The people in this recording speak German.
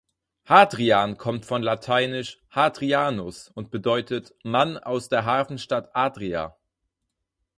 Hadrian kommt von lateinisch "Hadrianus" und bedeutet "Mann aus der Hafenstadt Adria".